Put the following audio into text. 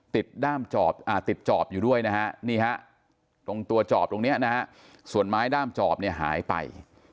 ด้ามติดจอบอยู่ด้วยนะฮะนี่ฮะตรงตัวจอบตรงนี้นะฮะส่วนไม้ด้ามจอบเนี่ยหายไป